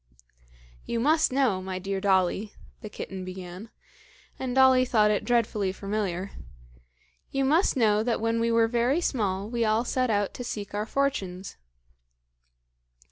"You must know, my dear Dolly," the kitten began and Dolly thought it dreadfully familiar "you must know that when we were very small we all set out to seek our fortunes."